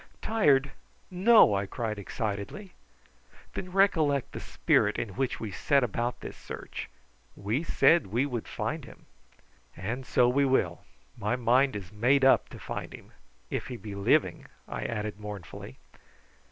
"Tired? No!" I cried excitedly. "Then recollect the spirit in which we set about this search. We said we would find him." "And so we will: my mind is made up to find him if he be living," I added mournfully.